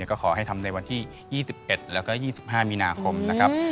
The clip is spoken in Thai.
ก็ขอให้ทำในวันที่๒๑แล้วก็๒๕มีนาคมนะครับ